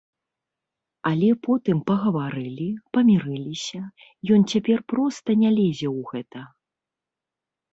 Але потым пагаварылі, памірыліся, ён цяпер проста не лезе ў гэта.